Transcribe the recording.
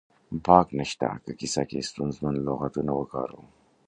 باک نه شته که کیسه کې ستونزمن لغاتونه وکاروو